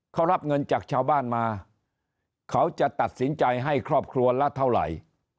เขารับเงินจากชาวบ้านมาเขาจะตัดสินใจให้ครอบครัวละเท่าไหร่